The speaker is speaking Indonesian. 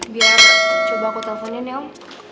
biar coba aku teleponin ya om